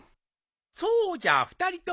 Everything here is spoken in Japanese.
そうじゃ２人とも。